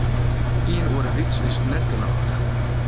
Ien oere wyks is net genôch.